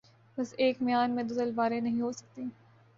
بس ایک میان میں دو تلواریں نہیں ہوسکتیں